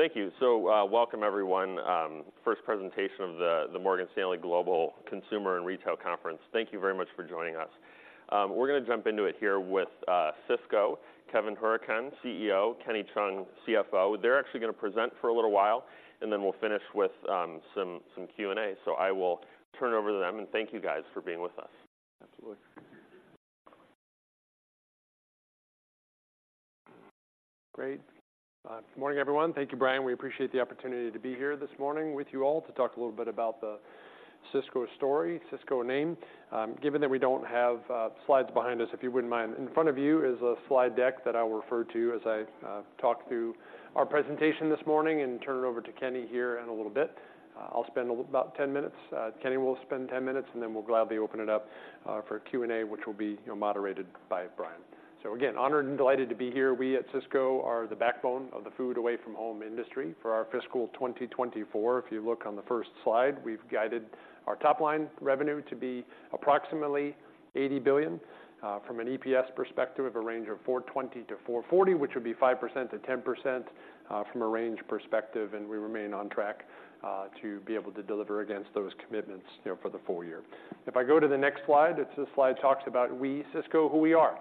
Thank you. Welcome everyone, first presentation of the Morgan Stanley Global Consumer and Retail Conference. Thank you very much for joining us. We're gonna jump into it here with Sysco, Kevin Hourican, CEO, Kenny Cheung, CFO. They're actually gonna present for a little while, and then we'll finish with some Q&A. I will turn it over to them, and thank you guys for being with us. Absolutely. Great. Good morning, everyone. Thank you, Brian. We appreciate the opportunity to be here this morning with you all to talk a little bit about the Sysco story, Sysco name. Given that we don't have slides behind us, if you wouldn't mind, in front of you is a slide deck that I'll refer to as I talk through our presentation this morning and turn it over to Kenny here in a little bit. I'll spend a little about 10 minutes, Kenny will spend 10 minutes, and then we'll gladly open it up for Q&A, which will be, you know, moderated by Brian. So again, honored and delighted to be here. We at Sysco are the backbone of the food away-from-home industry. For our fiscal 2024, if you look on the first slide, we've guided our top-line revenue to be approximately $80 billion from an EPS perspective of a range of $4.20-$4.40, which would be 5%-10% from a range perspective, and we remain on track to be able to deliver against those commitments, you know, for the full year. If I go to the next slide, this slide talks about we, Sysco, who we are,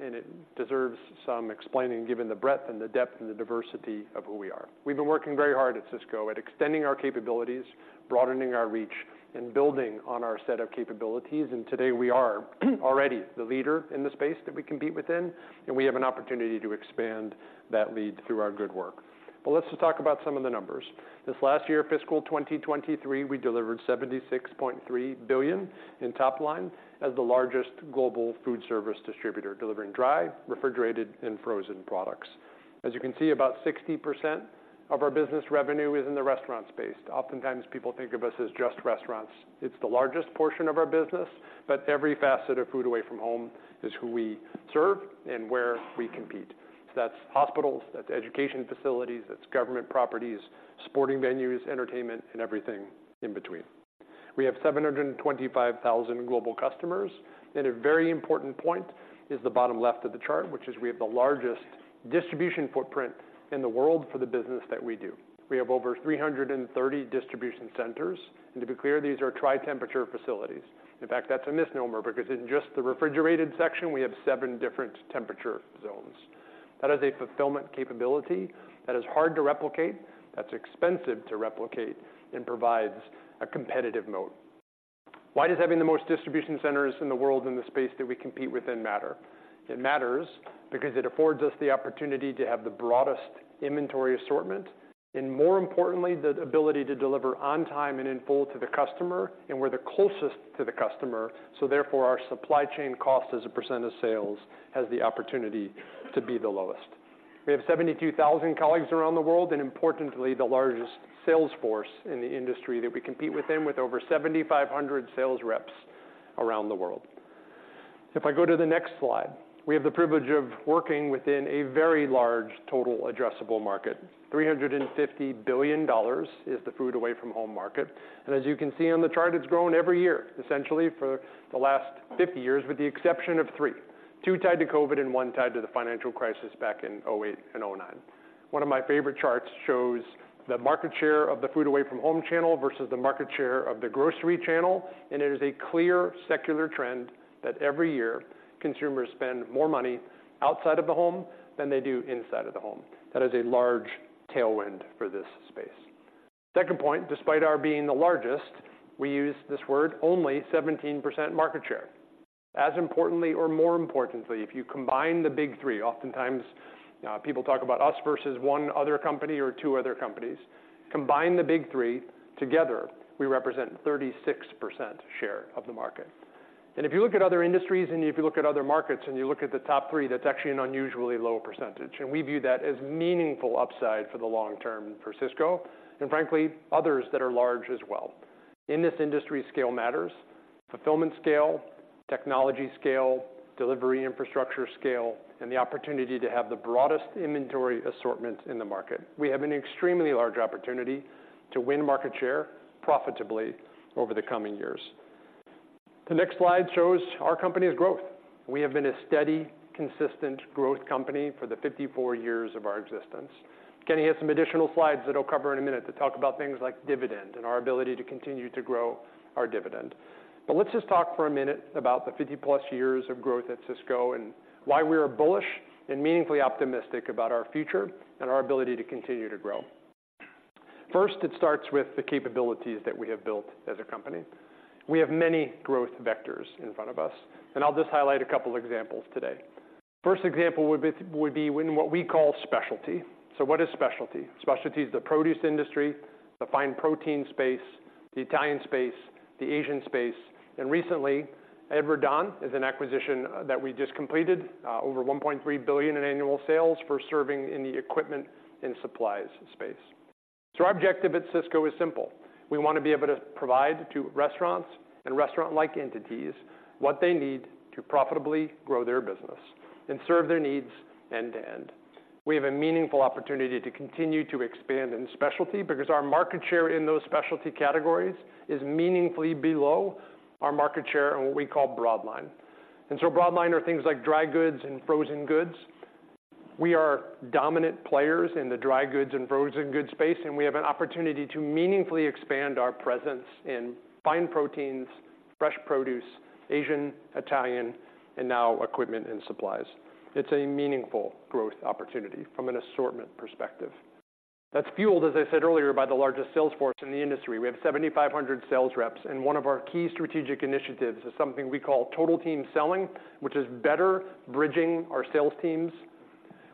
and it deserves some explaining, given the breadth and the depth and the diversity of who we are. We've been working very hard at Sysco at extending our capabilities, broadening our reach, and building on our set of capabilities. Today, we are already the leader in the space that we compete within, and we have an opportunity to expand that lead through our good work. Let's just talk about some of the numbers. This last year, fiscal 2023, we delivered $76.3 billion in top line as the largest global food service distributor, delivering dry, refrigerated, and frozen products. As you can see, about 60% of our business revenue is in the restaurant space. Oftentimes, people think of us as just restaurants. It's the largest portion of our business, but every facet of food away from home is who we serve and where we compete. That's hospitals, that's education facilities, that's government properties, sporting venues, entertainment, and everything in between. We have 725,000 global customers, and a very important point is the bottom left of the chart, which is we have the largest distribution footprint in the world for the business that we do. We have over 330 distribution centers, and to be clear, these are tri-temperature facilities. In fact, that's a misnomer, because in just the refrigerated section, we have seven different temperature zones. That is a fulfillment capability that is hard to replicate, that's expensive to replicate and provides a competitive moat. Why does having the most distribution centers in the world in the space that we compete within matter? It matters because it affords us the opportunity to have the broadest inventory assortment, and more importantly, the ability to deliver on time and in full to the customer, and we're the closest to the customer, so therefore, our supply chain cost as a % of sales has the opportunity to be the lowest. We have 72,000 colleagues around the world, and importantly, the largest sales force in the industry that we compete with them with over 7,500 sales reps around the world. If I go to the next slide, we have the privilege of working within a very large total addressable market. $350 billion is the food away from home market, and as you can see on the chart, it's grown every year, essentially for the last 50 years, with the exception of three. two tied to COVID and one tied to the financial crisis back in 2008 and 2009. One of my favorite charts shows the market share of the food away from home channel versus the market share of the grocery channel, and it is a clear secular trend that every year, consumers spend more money outside of the home than they do inside of the home. That is a large tailwind for this space. Second point, despite our being the largest, we use this word, only 17% market share. As importantly or more importantly, if you combine the big three, oftentimes, people talk about us versus one other company or two other companies. Combine the big three together, we represent 36% share of the market. If you look at other industries, and if you look at other markets, and you look at the top three, that's actually an unusually low percentage, and we view that as meaningful upside for the long term for Sysco and frankly, others that are large as well. In this industry, scale matters, fulfillment scale, technology scale, delivery infrastructure scale, and the opportunity to have the broadest inventory assortment in the market. We have an extremely large opportunity to win market share profitably over the coming years. The next slide shows our company's growth. We have been a steady, consistent growth company for the 54 years of our existence. Kenny has some additional slides that he'll cover in a minute to talk about things like dividend and our ability to continue to grow our dividend. But let's just talk for a minute about the 50+ years of growth at Sysco and why we are bullish and meaningfully optimistic about our future and our ability to continue to grow. First, it starts with the capabilities that we have built as a company. We have many growth vectors in front of us, and I'll just highlight a couple examples today. First example would be in what we call specialty. So what is specialty? Specialty is the produce industry, the fine protein space, the Italian space, the Asian space, and recently, Edward Don is an acquisition that we just completed, over $1.3 billion in annual sales for serving in the equipment and supplies space. So our objective at Sysco is simple: we want to be able to provide to restaurants and restaurant-like entities, what they need to profitably grow their business and serve their needs end to end. We have a meaningful opportunity to continue to expand in specialty because our market share in those specialty categories is meaningfully below our market share in what we call broadline.... And so broadline are things like dry goods and frozen goods. We are dominant players in the dry goods and frozen goods space, and we have an opportunity to meaningfully expand our presence in fine proteins, fresh produce, Asian, Italian, and now equipment and supplies. It's a meaningful growth opportunity from an assortment perspective. That's fueled, as I said earlier, by the largest sales force in the industry. We have 7,500 sales reps, and one of our key strategic initiatives is something we call Total Team Selling, which is better bridging our sales teams.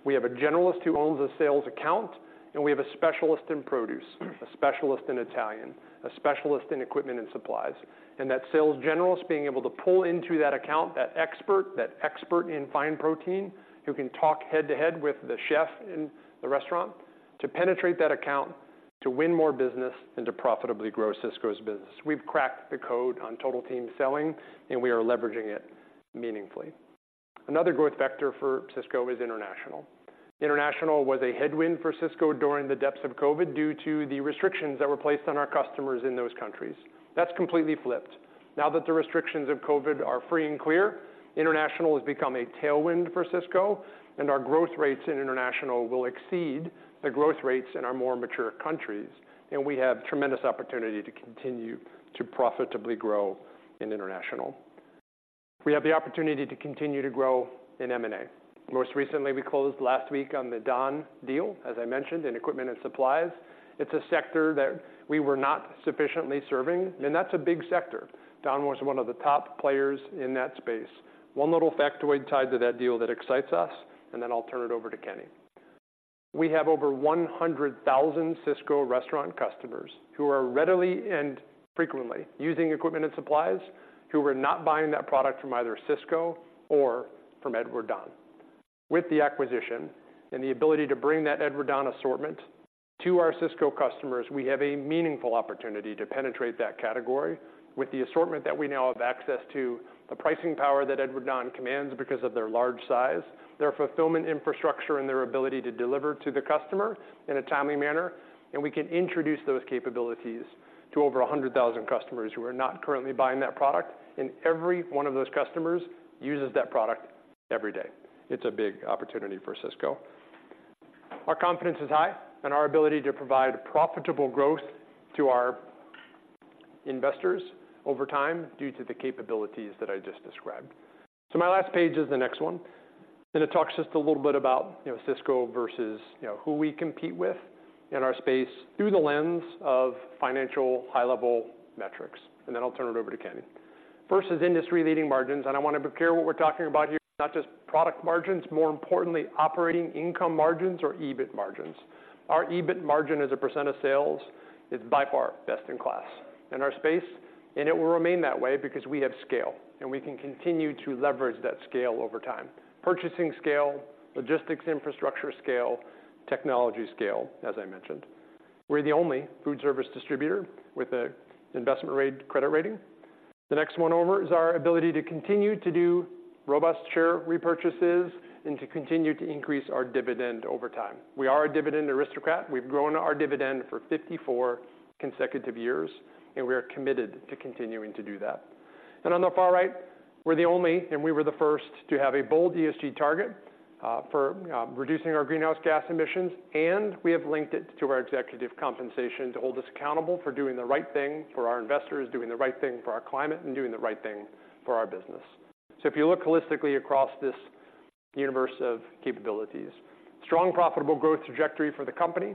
We have a generalist who owns a sales account, and we have a specialist in produce, a specialist in Italian, a specialist in equipment and supplies. And that sales generalist being able to pull into that account, that expert, that expert in fine protein, who can talk head-to-head with the chef in the restaurant to penetrate that account, to win more business, and to profitably grow Sysco's business. We've cracked the code on Total Team Selling, and we are leveraging it meaningfully. Another growth vector for Sysco is international. International was a headwind for Sysco during the depths of COVID, due to the restrictions that were placed on our customers in those countries. That's completely flipped. Now that the restrictions of COVID are free and clear, international has become a tailwind for Sysco, and our growth rates in international will exceed the growth rates in our more mature countries, and we have tremendous opportunity to continue to profitably grow in international. We have the opportunity to continue to grow in M&A. Most recently, we closed last week on the Don deal, as I mentioned, in equipment and supplies. It's a sector that we were not sufficiently serving, and that's a big sector. Don was one of the top players in that space. One little factoid tied to that deal that excites us, and then I'll turn it over to Kenny. We have over 100,000 Sysco restaurant customers who are readily and frequently using equipment and supplies, who are not buying that product from either Sysco or from Edward Don. With the acquisition and the ability to bring that Edward Don assortment to our Sysco customers, we have a meaningful opportunity to penetrate that category with the assortment that we now have access to, the pricing power that Edward Don commands because of their large size, their fulfillment infrastructure, and their ability to deliver to the customer in a timely manner, and we can introduce those capabilities to over 100,000 customers who are not currently buying that product, and every one of those customers uses that product every day. It's a big opportunity for Sysco. Our confidence is high and our ability to provide profitable growth to our investors over time, due to the capabilities that I just described. So my last page is the next one, and it talks just a little bit about, you know, Sysco versus, you know, who we compete with in our space through the lens of financial, high-level metrics, and then I'll turn it over to Kenny. First is industry-leading margins, and I want to be clear what we're talking about here, not just product margins, more importantly, operating income margins or EBIT margins. Our EBIT margin as a percent of sales is by far best in class in our space, and it will remain that way because we have scale, and we can continue to leverage that scale over time. Purchasing scale, logistics infrastructure scale, technology scale, as I mentioned. We're the only food service distributor with an investment grade credit rating. The next one over is our ability to continue to do robust share repurchases and to continue to increase our dividend over time. We are a Dividend Aristocrat. We've grown our dividend for 54 consecutive years, and we are committed to continuing to do that. And on the far right, we're the only, and we were the first to have a bold ESG target, for reducing our greenhouse gas emissions, and we have linked it to our executive compensation to hold us accountable for doing the right thing for our investors, doing the right thing for our climate, and doing the right thing for our business. So if you look holistically across this universe of capabilities, strong, profitable growth trajectory for the company,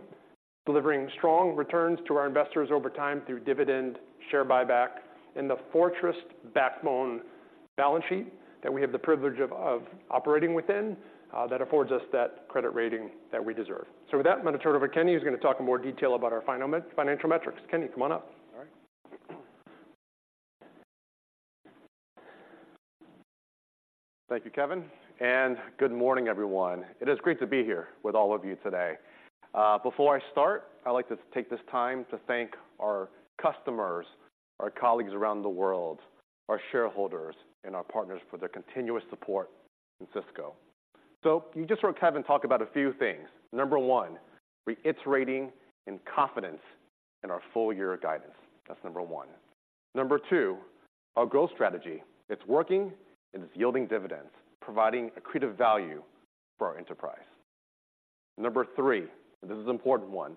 delivering strong returns to our investors over time through dividend share buyback and the fortress backbone balance sheet that we have the privilege of operating within, that affords us that credit rating that we deserve. So with that, I'm going to turn it over to Kenny, who's going to talk in more detail about our final financial metrics. Kenny, come on up. All right. Thank you, Kevin, and good morning, everyone. It is great to be here with all of you today. Before I start, I'd like to take this time to thank our customers, our colleagues around the world, our shareholders, and our partners for their continuous support in Sysco. So you just heard Kevin talk about a few things. Number one, reiterating in confidence in our full-year guidance. That's number one. Number two, our growth strategy. It's working, and it's yielding dividends, providing accretive value for our enterprise. Number three, and this is an important one,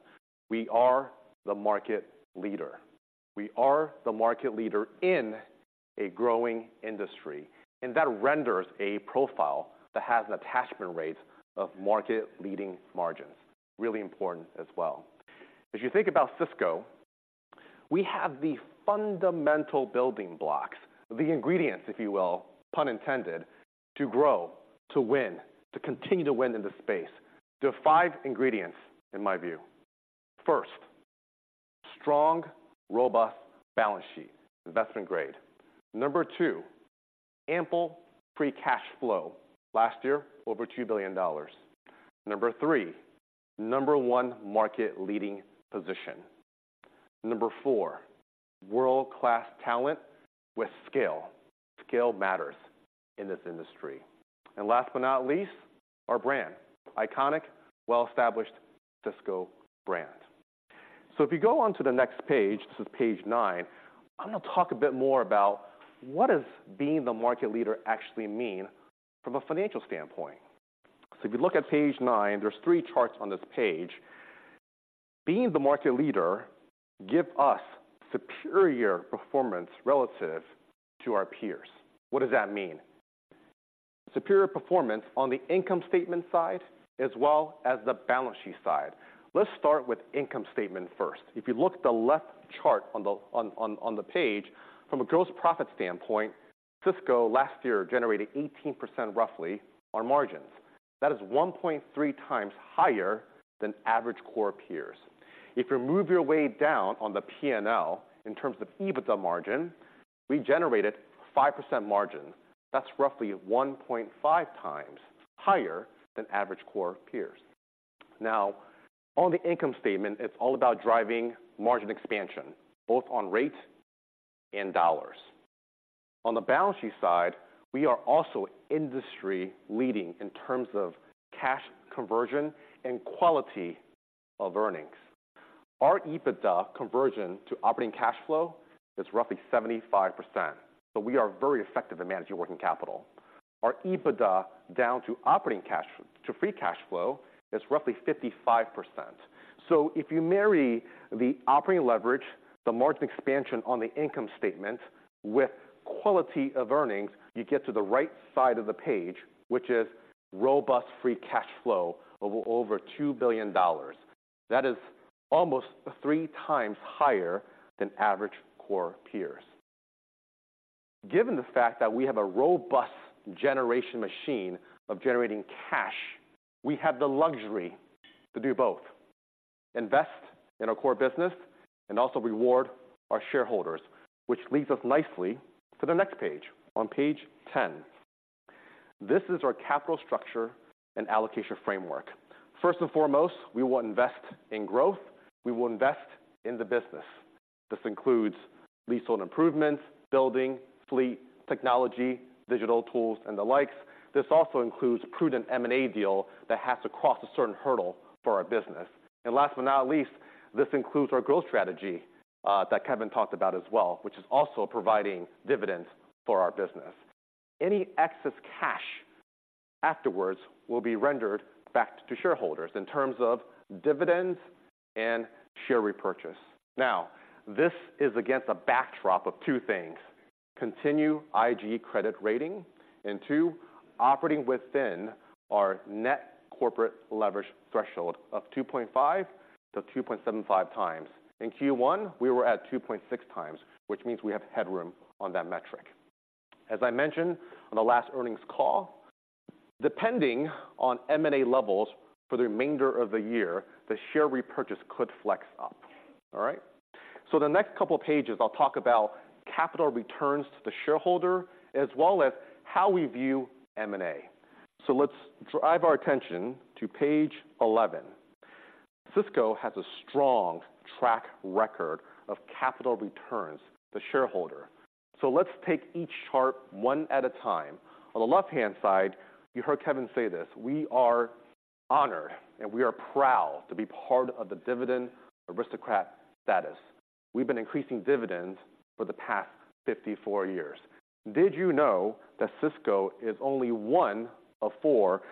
we are the market leader. We are the market leader in a growing industry, and that renders a profile that has an attachment rate of market-leading margins. Really important as well. As you think about Sysco, we have the fundamental building blocks, the ingredients, if you will, pun intended, to grow, to win, to continue to win in this space. There are five ingredients, in my view. First, strong, robust balance sheet, investment grade. Number two, ample free cash flow. Last year, over $2 billion. Number three, number one market leading position. Number four, world-class talent with scale. Scale matters in this industry. And last but not least, our brand. Iconic, well-established Sysco Brand.... So if you go on to the next page, this is page nine, I'm gonna talk a bit more about what does being the market leader actually mean from a financial standpoint? So if you look at page nine, there's three charts on this page. Being the market leader give us superior performance relative to our peers. What does that mean? Superior performance on the income statement side, as well as the balance sheet side. Let's start with income statement first. If you look at the left chart on the page, from a gross profit standpoint, Sysco last year generated 18% roughly on margins. That is 1.3 times higher than average core peers. If you move your way down on the P&L, in terms of EBITDA margin, we generated 5% margin. That's roughly 1.5 times higher than average core peers. Now, on the income statement, it's all about driving margin expansion, both on rate and dollars. On the balance sheet side, we are also industry leading in terms of cash conversion and quality of earnings. Our EBITDA conversion to operating cash flow is roughly 75%, so we are very effective at managing working capital. Our EBITDA down to operating cash to free cash flow is roughly 55%. So if you marry the operating leverage, the margin expansion on the income statement with quality of earnings, you get to the right side of the page, which is robust free cash flow of over $2 billion. That is almost three times higher than average core peers. Given the fact that we have a robust generation machine of generating cash, we have the luxury to do both: invest in our core business and also reward our shareholders. Which leads us nicely to the next page, on page 10. This is our capital structure and allocation framework. First and foremost, we will invest in growth. We will invest in the business. This includes leasehold improvements, building, fleet, technology, digital tools, and the likes. This also includes prudent M&A deals that have to cross a certain hurdle for our business. Last but not least, this includes our growth strategy that Kevin talked about as well, which is also providing dividends for our business. Any excess cash afterwards will be rendered back to shareholders in terms of dividends and share repurchase. Now, this is against a backdrop of two things: continued IG credit rating, and two, operating within our net corporate leverage threshold of 2.5-2.75 times. In Q1, we were at 2.6 times, which means we have headroom on that metric. As I mentioned on the last earnings call, depending on M&A levels for the remainder of the year, the share repurchase could flex up. All right? The next couple pages, I'll talk about capital returns to the shareholder, as well as how we view M&A. Let's direct our attention to page 11. Sysco has a strong track record of capital returns to shareholder. Let's take each chart one at a time. On the left-hand side, you heard Kevin say this, we are honored, and we are proud to be part of the Dividend Aristocrat status. We've been increasing dividends for the past 54 years. Did you know that Sysco is only one of four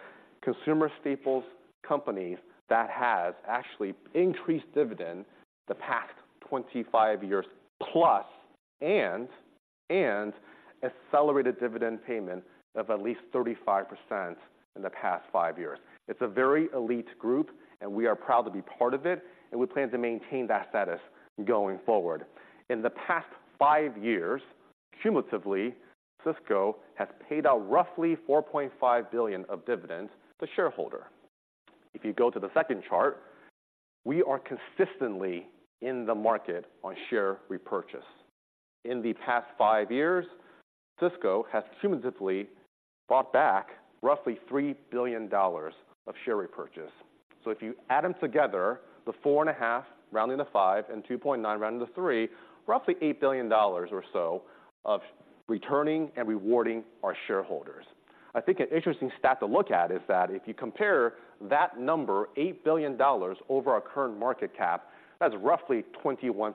consumer staples companies that has actually increased dividend the past 25 years plus, and, and accelerated dividend payment of at least 35% in the past 5 years? It's a very elite group, and we are proud to be part of it, and we plan to maintain that status going forward. In the past five years, cumulatively, Sysco has paid out roughly $4.5 billion of dividends to shareholder. If you go to the second chart, we are consistently in the market on share repurchase. In the past five years, Sysco has cumulatively brought back roughly $3 billion of share repurchase. So if you add them together, the 4.5, rounding to five, and 2.9, rounding to three, roughly $8 billion or so of returning and rewarding our shareholders. I think an interesting stat to look at is that if you compare that number, $8 billion, over our current market cap, that's roughly 21%,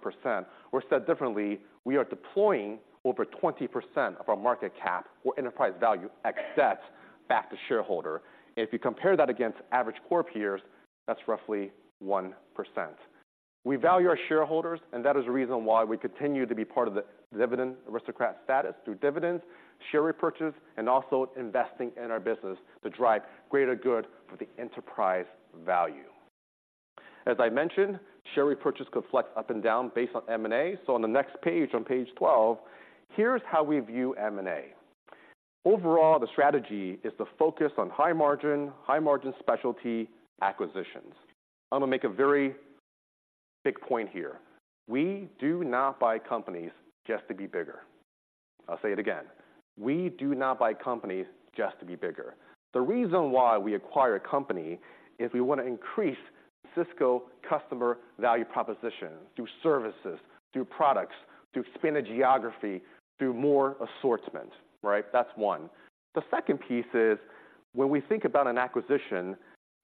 or said differently, we are deploying over 20% of our market cap or enterprise value excess back to shareholder. If you compare that against average core peers, that's roughly 1%. We value our shareholders, and that is the reason why we continue to be part of the Dividend Aristocrat status through dividends, share repurchase, and also investing in our business to drive greater good for the enterprise value. As I mentioned, share repurchase could flex up and down based on M&A. On the next page, on page 12, here's how we view M&A. Overall, the strategy is to focus on high margin, high-margin specialty acquisitions. I'm gonna make a very big point here. We do not buy companies just to be bigger. I'll say it again. We do not buy companies just to be bigger. The reason why we acquire a company is we want to increase Sysco customer value proposition through services, through products, through expanded geography, through more assortment, right? That's one. The second piece is-... When we think about an acquisition,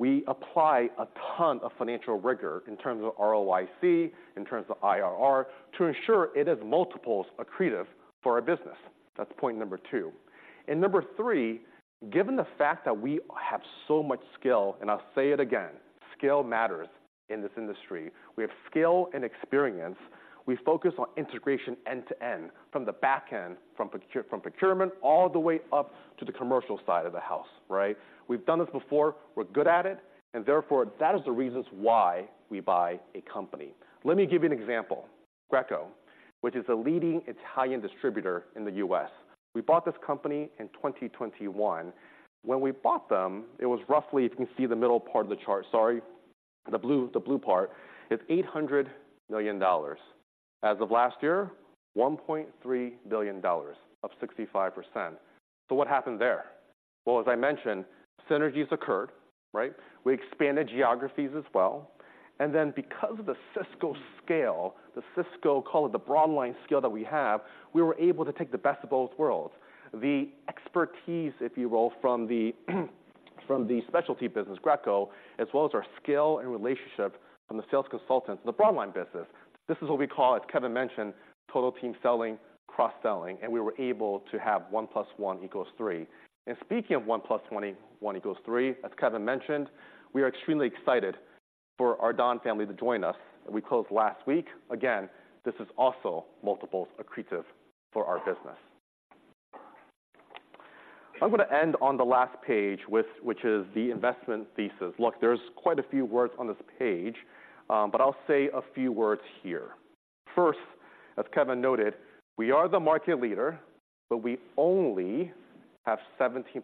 we apply a ton of financial rigor in terms of ROIC, in terms of IRR, to ensure it is multiples accretive for our business. That's point number two. Number three, given the fact that we have so much scale, and I'll say it again, scale matters in this industry. We have scale and experience. We focus on integration end-to-end, from the back end, from procurement, all the way up to the commercial side of the house, right? We've done this before. We're good at it, and therefore, that is the reasons why we buy a company. Let me give you an example. Greco, which is a leading Italian distributor in the U.S. We bought this company in 2021. When we bought them, it was roughly, if you can see the middle part of the chart, sorry, the blue, the blue part, it's $800 million. As of last year, $1.3 billion, up 65%. So what happened there? Well, as I mentioned, synergies occurred, right? We expanded geographies as well. And then because of the Sysco scale, the Sysco, call it the broadline scale that we have, we were able to take the best of both worlds. The expertise, if you will, from the, from the specialty business, Greco, as well as our scale and relationship from the sales consultants in the broadline business. This is what we call, as Kevin mentioned, total team selling, cross-selling, and we were able to have one plus one equals three. Speaking of one + 21 = three, as Kevin mentioned, we are extremely excited for our Don family to join us, and we closed last week. Again, this is also multiples accretive for our business. I'm gonna end on the last page, which is the investment thesis. Look, there's quite a few words on this page, but I'll say a few words here. First, as Kevin noted, we are the market leader, but we only have 17%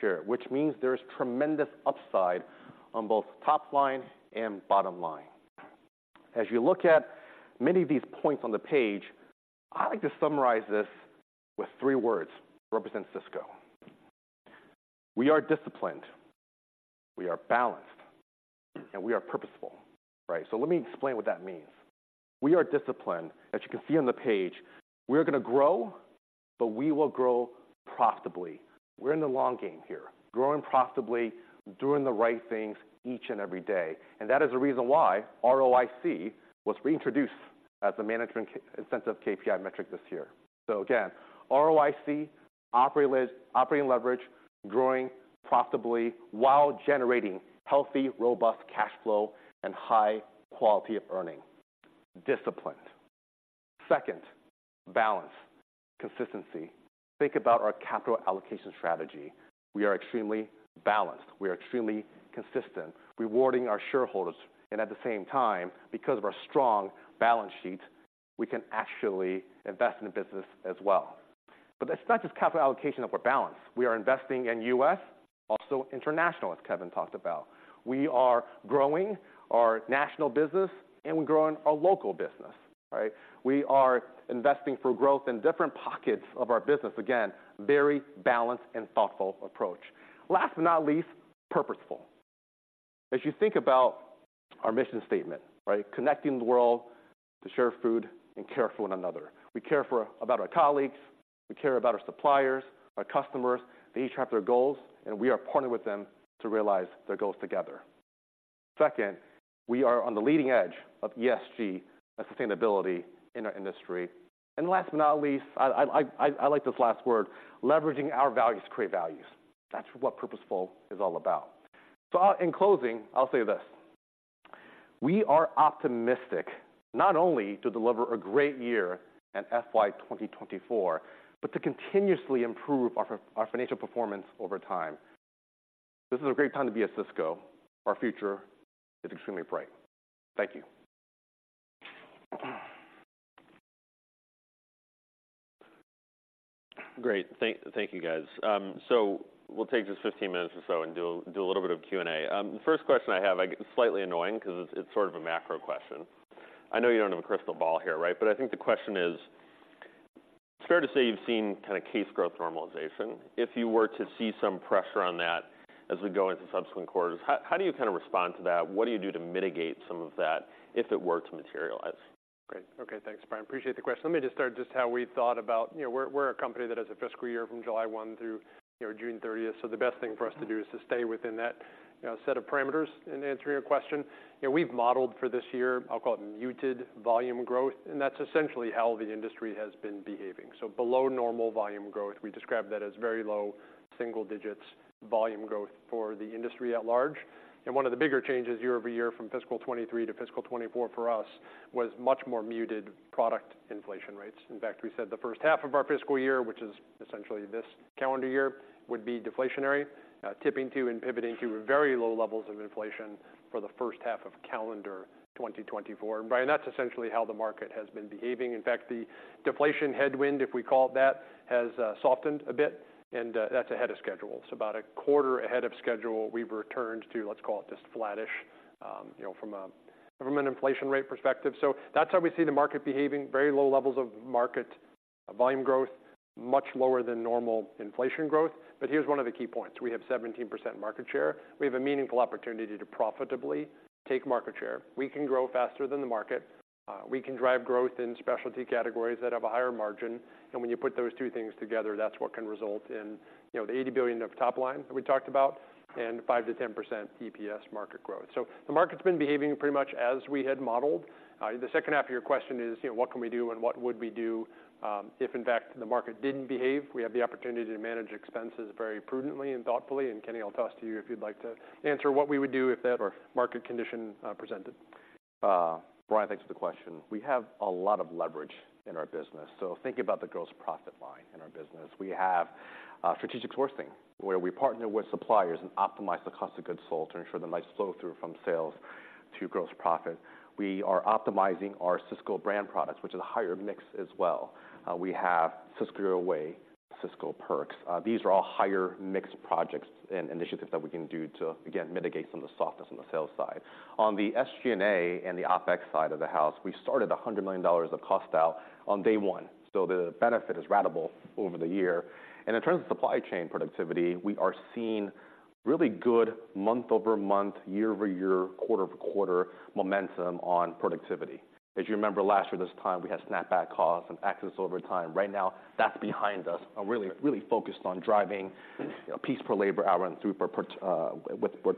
share, which means there's tremendous upside on both top line and bottom line. As you look at many of these points on the page, I like to summarize this with three words, represents Sysco. We are disciplined, we are balanced, and we are purposeful, right? So let me explain what that means. We are disciplined. As you can see on the page, we're gonna grow, but we will grow profitably. We're in the long game here, growing profitably, doing the right things each and every day. And that is the reason why ROIC was reintroduced as a management incentive KPI metric this year. So again, ROIC, operating leverage, growing profitably while generating healthy, robust cash flow and high quality of earning. Disciplined. Second, balance, consistency. Think about our capital allocation strategy. We are extremely balanced. We are extremely consistent, rewarding our shareholders, and at the same time, because of our strong balance sheet, we can actually invest in the business as well. But that's not just capital allocation that we're balanced. We are investing in U.S., also international, as Kevin talked about. We are growing our national business, and we're growing our local business, right? We are investing for growth in different pockets of our business. Again, very balanced and thoughtful approach. Last but not least, purposeful. As you think about our mission statement, right? Connecting the world to share food and care for one another. We care about our colleagues, we care about our suppliers, our customers. They each have their goals, and we are partnering with them to realize their goals together. Second, we are on the leading edge of ESG and sustainability in our industry. And last but not least, I like this last word, leveraging our values to create values. That's what purposeful is all about. So, in closing, I'll say this: We are optimistic not only to deliver a great year in FY 2024, but to continuously improve our financial performance over time. This is a great time to be at Sysco. Our future is extremely bright. Thank you. Great. Thank you, guys. So we'll take just 15 minutes or so and do a little bit of Q&A. The first question I have, slightly annoying because it's sort of a macro question. I know you don't have a crystal ball here, right? But I think the question is: It's fair to say you've seen kind of case growth normalization. If you were to see some pressure on that as we go into subsequent quarters, how do you kind of respond to that? What do you do to mitigate some of that if it were to materialize? Great. Okay, thanks, Brian. Appreciate the question. Let me just start just how we thought about... You know, we're, we're a company that has a fiscal year from July 1 through, you know, June 30th. So the best thing for us to do is to stay within that set of parameters in answering your question. You know, we've modeled for this year, I'll call it muted volume growth, and that's essentially how the industry has been behaving. So below normal volume growth, we describe that as very low single digits volume growth for the industry at large. And one of the bigger changes year over year from fiscal 2023 to fiscal 2024 for us, was much more muted product inflation rates. In fact, we said the first half of our fiscal year, which is essentially this calendar year, would be deflationary, tipping to and pivoting to very low levels of inflation for the first half of calendar 2024. And, Brian, that's essentially how the market has been behaving. In fact, the deflation headwind, if we call it that, has softened a bit, and that's ahead of schedule. It's about a quarter ahead of schedule. We've returned to, let's call it, just flattish, you know, from an inflation rate perspective. So that's how we see the market behaving, very low levels of market, a volume growth much lower than normal inflation growth. But here's one of the key points: We have 17% market share. We have a meaningful opportunity to profitably take market share. We can grow faster than the market, we can drive growth in specialty categories that have a higher margin, and when you put those two things together, that's what can result in, you know, the $80 billion of top line that we talked about, and 5%-10% EPS market growth. So the market's been behaving pretty much as we had modeled. The second half of your question is, you know, what can we do and what would we do, if in fact, the market didn't behave? We have the opportunity to manage expenses very prudently and thoughtfully. Kenny, I'll toss to you if you'd like to answer what we would do if that or market condition presented. Brian, thanks for the question. We have a lot of leverage in our business, so think about the gross profit line in our business. We have, strategic sourcing, where we partner with suppliers and optimize the cost of goods sold to ensure the nice flow-through from sales to gross profit. We are optimizing our Sysco Brand products, which is a higher mix as well. We have Sysco Your Way, Sysco Perks. These are all higher mix projects and initiatives that we can do to, again, mitigate some of the softness on the sales side. On the SG&A and the OpEx side of the house, we've started $100 million of cost out on day one, so the benefit is ratable over the year. In terms of supply chain productivity, we are seeing really good month-over-month, year-over-year, quarter-over-quarter momentum on productivity. As you remember, last year this time, we had snapback costs and excess overtime. Right now, that's behind us, and really, really focused on driving, you know, piece per labor hour and throughput, with, with,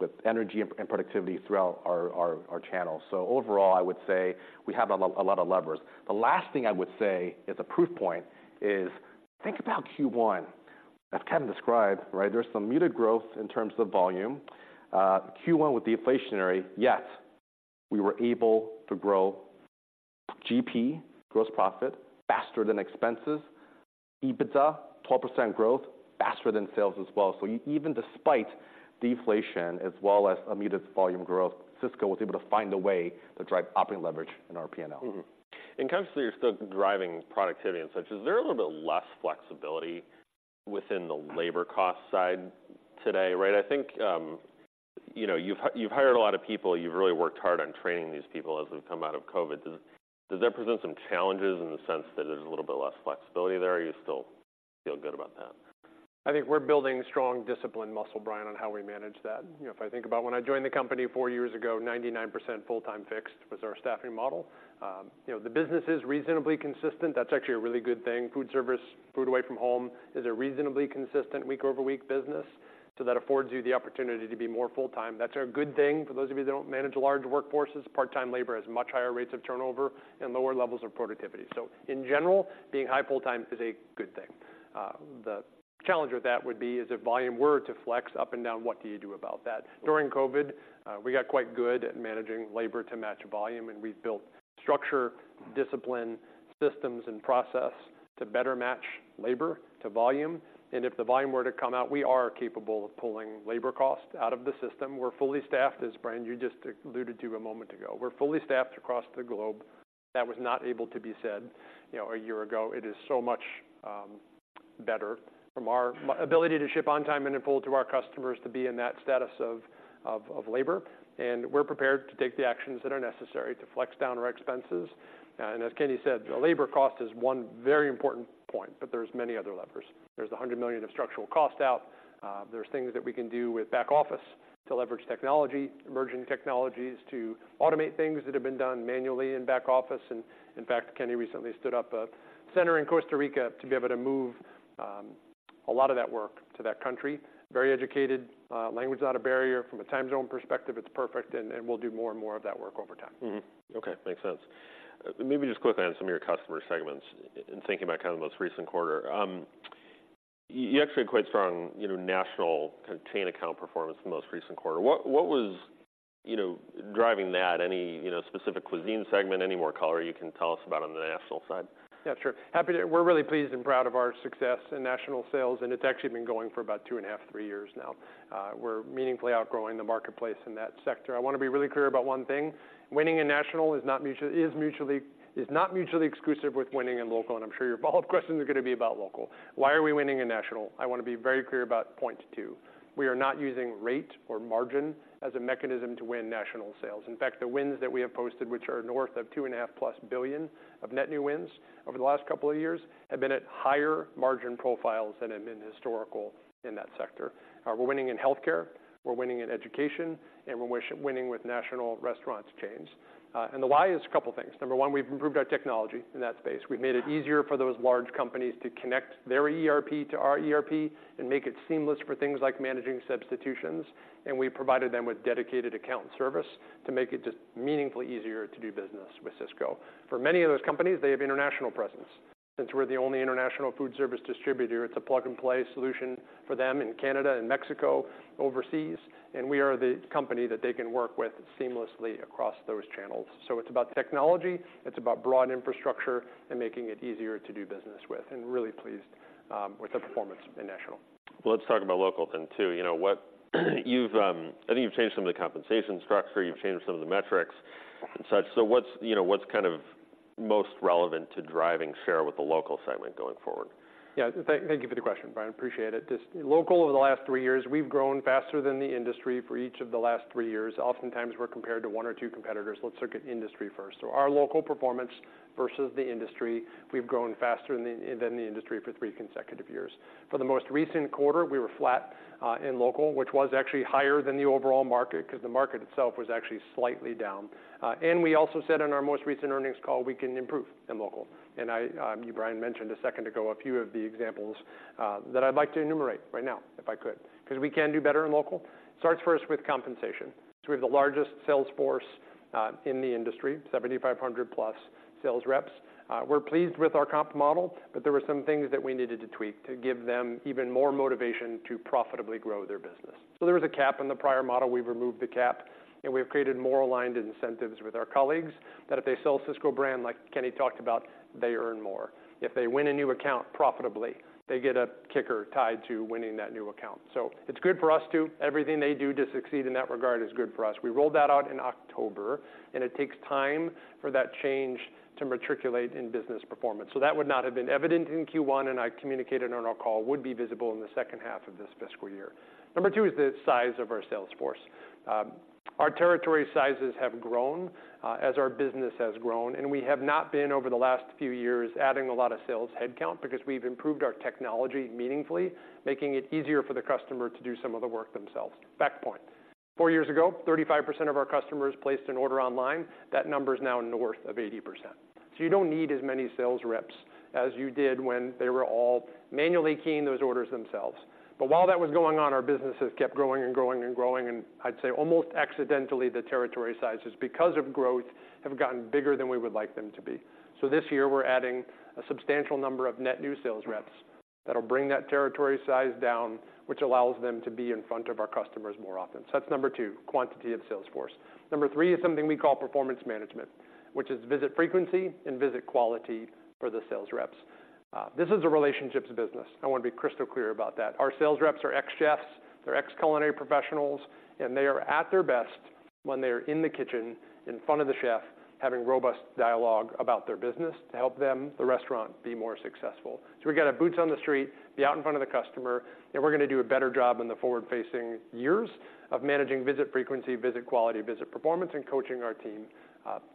with energy and, and productivity throughout our, our, our channels. So overall, I would say we have a lot, a lot of levers. The last thing I would say as a proof point is, think about Q1. As Kevin described, right, there's some muted growth in terms of volume. Q1 with the inflationary, yes, we were able to grow GP, gross profit faster than expenses. EBITDA, 12% growth, faster than sales as well. So even despite deflation as well as a muted volume growth, Sysco was able to find a way to drive operating leverage in our P&L. Mm-hmm. And obviously, you're still driving productivity and such. Is there a little bit less flexibility within the labor cost side today, right? I think, you know, you've hired a lot of people. You've really worked hard on training these people as we've come out of COVID. Does that present some challenges in the sense that there's a little bit less flexibility there, or you still feel good about that? I think we're building strong discipline muscle, Brian, on how we manage that. You know, if I think about when I joined the company four years ago, 99% full-time fixed was our staffing model. You know, the business is reasonably consistent. That's actually a really good thing. Food service, food away from home is a reasonably consistent week-over-week business, so that affords you the opportunity to be more full-time. That's a good thing. For those of you that don't manage large workforces, part-time labor has much higher rates of turnover and lower levels of productivity. So in general, being high full-time is a good thing. The challenge with that would be, is if volume were to flex up and down, what do you do about that? During COVID, we got quite good at managing labor to match volume, and we've built structure, discipline, systems, and process to better match labor to volume. If the volume were to come out, we are capable of pulling labor cost out of the system. We're fully staffed, as Brian, you just alluded to a moment ago. We're fully staffed across the globe. That was not able to be said, you know, a year ago. It is so much better from our ability to ship on time and in full to our customers to be in that status of labor. We're prepared to take the actions that are necessary to flex down our expenses. As Kenny said, the labor cost is one very important point, but there's many other levers. There's $100 million of structural cost out. There's things that we can do with back office to leverage technology, emerging technologies, to automate things that have been done manually in back office. And in fact, Kenny recently stood up a center in Costa Rica to be able to move a lot of that work to that country. Very educated, language is not a barrier. From a time zone perspective, it's perfect, and we'll do more and more of that work over time. Mm-hmm. Okay, makes sense. Maybe just quickly on some of your customer segments in thinking about kind of the most recent quarter. You actually had quite strong, you know, national chain account performance in the most recent quarter. What was, you know, driving that? Any, you know, specific cuisine segment, any more color you can tell us about on the national side? Yeah, sure. Happy to... We're really pleased and proud of our success in national sales, and it's actually been going for about 2.5-three years now. We're meaningfully outgrowing the marketplace in that sector. I wanna be really clear about one thing: Winning in national is not mutually exclusive with winning in local, and I'm sure your follow-up questions are gonna be about local. Why are we winning in national? I wanna be very clear about point two. We are not using rate or margin as a mechanism to win national sales. In fact, the wins that we have posted, which are north of $2.5+ billion of net new wins over the last couple of years, have been at higher margin profiles than have been historical in that sector. We're winning in healthcare, we're winning in education, and we're winning with national restaurant chains. And the why is a couple things. Number one, we've improved our technology in that space. We've made it easier for those large companies to connect their ERP to our ERP and make it seamless for things like managing substitutions, and we provided them with dedicated account service to make it just meaningfully easier to do business with Sysco. For many of those companies, they have international presence. Since we're the only international food service distributor, it's a plug-and-play solution for them in Canada and Mexico, overseas, and we are the company that they can work with seamlessly across those channels. So it's about technology, it's about broad infrastructure, and making it easier to do business with, and really pleased with the performance in national. Well, let's talk about local then, too. You know, what, you've, I think you've changed some of the compensation structure, you've changed some of the metrics and such. So what's, you know, what's kind of- ... most relevant to driving share with the local segment going forward? Yeah, thank you for the question, Brian. Appreciate it. Just local, over the last three years, we've grown faster than the industry for each of the last three years. Oftentimes, we're compared to one or two competitors. Let's look at industry first. So our local performance versus the industry, we've grown faster than the industry for three consecutive years. For the most recent quarter, we were flat in local, which was actually higher than the overall market, 'cause the market itself was actually slightly down. And we also said in our most recent earnings call, we can improve in local. And you, Brian, mentioned a second ago, a few of the examples that I'd like to enumerate right now, if I could, 'cause we can do better in local. Starts first with compensation. We have the largest sales force in the industry, 7,500+ sales reps. We're pleased with our comp model, but there were some things that we needed to tweak to give them even more motivation to profitably grow their business. There was a cap in the prior model. We've removed the cap, and we've created more aligned incentives with our colleagues, that if they sell Sysco Brand, like Kenny talked about, they earn more. If they win a new account profitably, they get a kicker tied to winning that new account. It's good for us, too. Everything they do to succeed in that regard is good for us. We rolled that out in October, and it takes time for that change to percolate in business performance. So that would not have been evident in Q1, and I communicated on our call, would be visible in the second half of this fiscal year. Number two is the size of our sales force. Our territory sizes have grown, as our business has grown, and we have not been, over the last few years, adding a lot of sales headcount because we've improved our technology meaningfully, making it easier for the customer to do some of the work themselves. four years ago, 35% of our customers placed an order online. That number is now north of 80%. So you don't need as many sales reps as you did when they were all manually keying those orders themselves. But while that was going on, our businesses kept growing and growing and growing, and I'd say almost accidentally, the territory sizes, because of growth, have gotten bigger than we would like them to be. So this year, we're adding a substantial number of net new sales reps that'll bring that territory size down, which allows them to be in front of our customers more often. So that's number two, quantity of sales force. Number three is something we call performance management, which is visit frequency and visit quality for the sales reps. This is a relationships business. I want to be crystal clear about that. Our sales reps are ex-chefs, they're ex-culinary professionals, and they are at their best when they are in the kitchen, in front of the chef, having robust dialogue about their business to help them, the restaurant, be more successful. So we've got to have boots on the street, be out in front of the customer, and we're gonna do a better job in the forward-facing years of managing visit frequency, visit quality, visit performance, and coaching our team,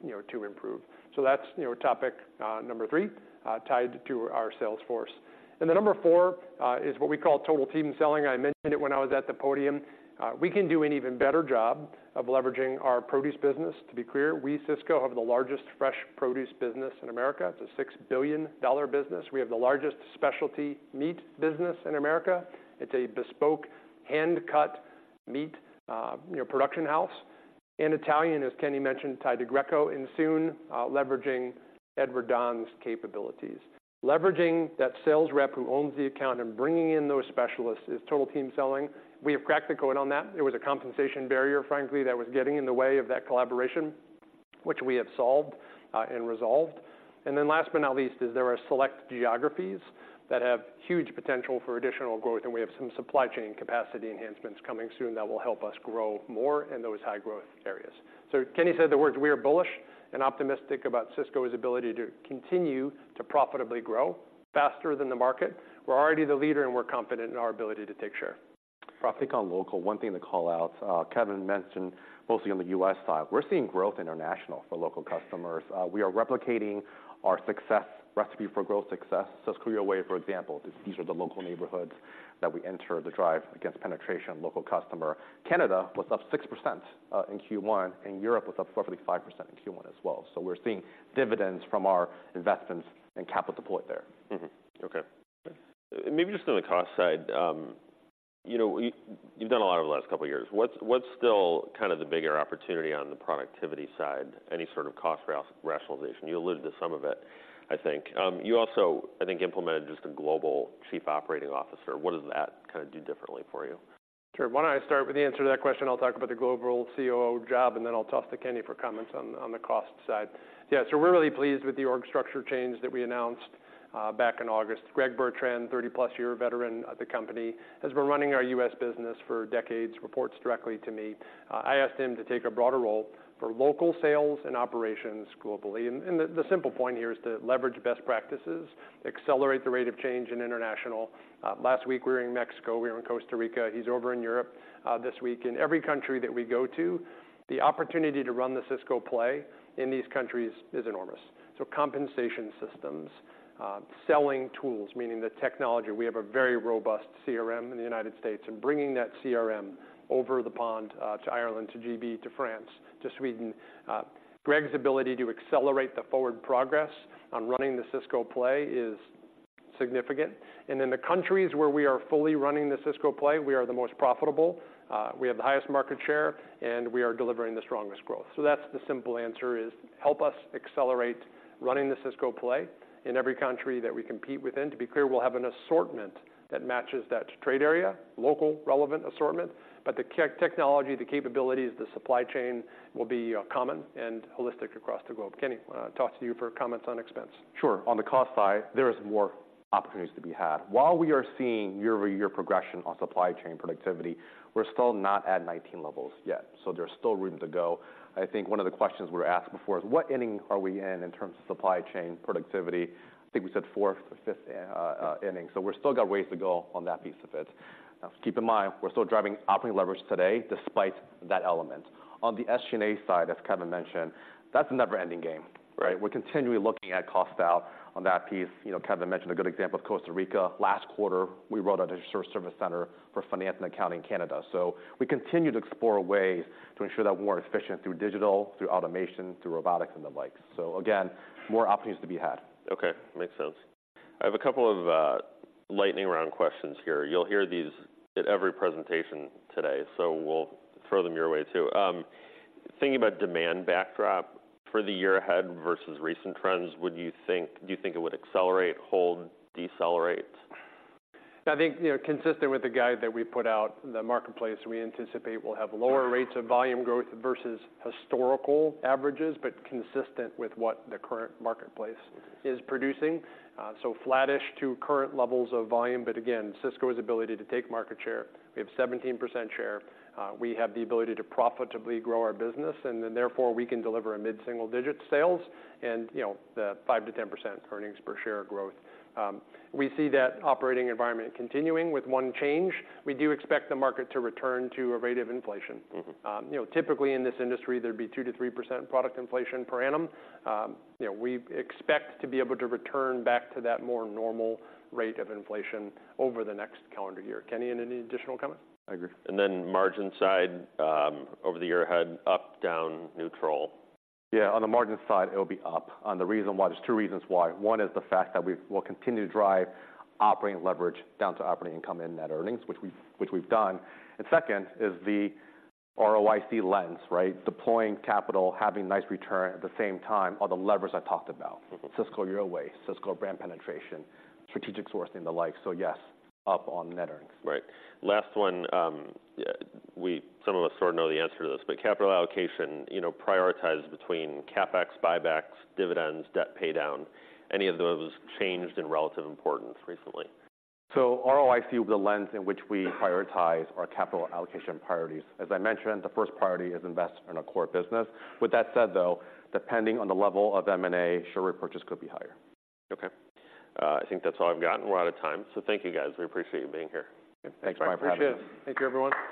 you know, to improve. So that's, you know, topic, number three, tied to our sales force. And then number four, is what we call total team selling. I mentioned it when I was at the podium. We can do an even better job of leveraging our produce business. To be clear, we, Sysco, have the largest fresh produce business in America. It's a $6 billion business. We have the largest specialty meat business in America. It's a bespoke, hand-cut meat, you know, production house. In Italian, as Kenny mentioned, the Greco, and soon, leveraging Edward Don's capabilities. Leveraging that sales rep who owns the account and bringing in those specialists is Total Team Selling. We have cracked the code on that. There was a compensation barrier, frankly, that was getting in the way of that collaboration, which we have solved, and resolved. And then last but not least, is there are select geographies that have huge potential for additional growth, and we have some supply chain capacity enhancements coming soon that will help us grow more in those high-growth areas. So Kenny said the words, we are bullish and optimistic about Sysco's ability to continue to profitably grow faster than the market. We're already the leader, and we're confident in our ability to take share. I think on local, one thing to call out, Kevin mentioned mostly on the US side. We're seeing growth international for local customers. We are replicating our success—Recipe for Growth success. Sysco Your Way, for example, these are the local neighborhoods that we enter to drive against penetration of local customer. Canada was up 6%, in Q1, and Europe was up 45% in Q1 as well. So we're seeing dividends from our investments and capital deployed there. </transcript Mm-hmm. Okay. Maybe just on the cost side, you know, you, you've done a lot over the last couple of years. What's still kind of the bigger opportunity on the productivity side? Any sort of cost rationalization? You alluded to some of it, I think. You also, I think, implemented just a Global Chief Operating Officer. What does that kinda do differently for you? Sure. Why don't I start with the answer to that question? I'll talk about the global COO job, and then I'll toss to Kenny for comments on the cost side. Yeah, so we're really pleased with the org structure change that we announced back in August. Greg Bertrand, 30+-year veteran of the company, has been running our U.S. business for decades, reports directly to me. I asked him to take a broader role for local sales and operations globally. And the simple point here is to leverage best practices, accelerate the rate of change in international. Last week, we were in Mexico, we were in Costa Rica. He's over in Europe this week. In every country that we go to, the opportunity to run the Sysco play in these countries is enormous. So compensation systems, selling tools, meaning the technology. We have a very robust CRM in the United States, and bringing that CRM over the pond to Ireland, to GB, to France, to Sweden. Greg's ability to accelerate the forward progress on running the Sysco play is... significant. And in the countries where we are fully running the Sysco play, we are the most profitable, we have the highest market share, and we are delivering the strongest growth. So that's the simple answer, is help us accelerate running the Sysco play in every country that we compete within. To be clear, we'll have an assortment that matches that trade area, local relevant assortment, but the tech, technology, the capabilities, the supply chain will be, common and holistic across the globe. Kenny, talk to you for comments on expense. Sure. On the cost side, there is more opportunities to be had. While we are seeing year-over-year progression on supply chain productivity, we're still not at 2019 levels yet, so there's still room to go. I think one of the questions we were asked before is, what inning are we in, in terms of supply chain productivity? I think we said fourth or fifth inning. So we're still got ways to go on that piece of it. Keep in mind, we're still driving operating leverage today, despite that element. On the SG&A side, as Kevin mentioned, that's a never-ending game, right? We're continually looking at cost out on that piece. You know, Kevin mentioned a good example of Costa Rica. Last quarter, we rolled out a service center for finance and accounting in Canada. We continue to explore ways to ensure that we're more efficient through digital, through automation, through robotics, and the like. Again, more opportunities to be had. Okay, makes sense. I have a couple of lightning round questions here. You'll hear these at every presentation today, so we'll throw them your way, too. Thinking about demand backdrop for the year ahead versus recent trends, would you think-- do you think it would accelerate, hold, decelerate? I think, you know, consistent with the guide that we put out, the marketplace, we anticipate will have lower rates of volume growth versus historical averages, but consistent with what the current marketplace is producing. So flattish to current levels of volume, but again, Sysco's ability to take market share, we have 17% share. We have the ability to profitably grow our business, and then therefore, we can deliver a mid-single-digit sales and, you know, the 5%-10% earnings per share growth. We see that operating environment continuing with one change. We do expect the market to return to a rate of inflation. Mm-hmm. You know, typically in this industry, there'd be 2%-3% product inflation per annum. You know, we expect to be able to return back to that more normal rate of inflation over the next calendar year. Kenny, any additional comment? I agree. Then margin side, over the year ahead, up, down, neutral? Yeah, on the margin side, it'll be up. And the reason why, there's two reasons why. One is the fact that we will continue to drive operating leverage down to operating income in net earnings, which we've done. And second is the ROIC lens, right? Deploying capital, having nice return at the same time are the levers I talked about. Mm-hmm. Sysco Your Way, Sysco Brand penetration, strategic sourcing, the like. So yes, up on net earnings. Right. Last one, we some of us sort of know the answer to this, but capital allocation, you know, prioritized between CapEx, buybacks, dividends, debt paydown, any of those changed in relative importance recently? ROIC, the lens in which we prioritize our capital allocation priorities. As I mentioned, the first priority is invest in our core business. With that said, though, depending on the level of M&A, share repurchase could be higher. Okay. I think that's all I've gotten. We're out of time, so thank you, guys. We appreciate you being here. Thanks for having us. Appreciate it. Thank you, everyone.